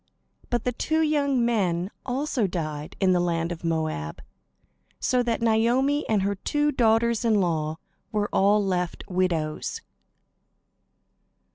But the two young men also died in the land of Moab; so that Naomi and her two daughters in law were all left widows.